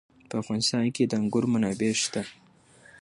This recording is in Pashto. په افغانستان کې د انګور منابع شته.